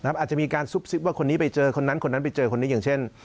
อาจจะมีการซุบซิบว่าคนนี้ไปเจอคนนั้นคนนั้นไปเจอคนนี้อย่างเช่น